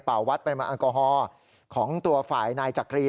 เป่าวัดเป็นอังกฮอล์ของตัวฝ่ายนายจักรี